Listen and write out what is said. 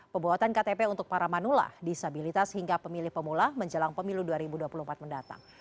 pembuatan ktp untuk para manula disabilitas hingga pemilih pemula menjelang pemilu dua ribu dua puluh empat mendatang